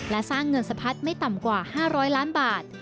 และสร้างเงินสะพัดไม่ต่ำกว่า๕๐๐ล้านบาท